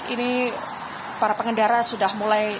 ini para pengendara sudah mulai